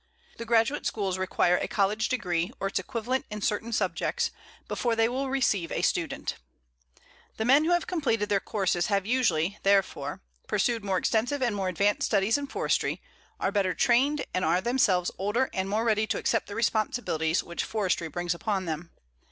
The graduate schools require a college degree, or its equivalent in certain subjects, before they will receive a student. The men who have completed their courses have usually, therefore, pursued more extensive and more advanced studies in forestry, are better trained, and are themselves older and more ready to accept the responsibilities which forestry brings upon them.